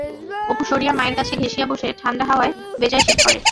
অপু সরিয়া মায়ের কাছে ঘেঁষিয়া বসে-ঠাণ্ডা হাওয়ায় বেজায় শীত করে।